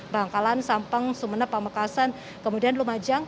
bangkalan sampang sumeneb pamekasan kemudian lumajang